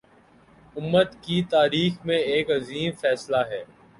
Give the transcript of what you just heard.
امت کی تاریخ میں ایک عظیم فیصلہ ہے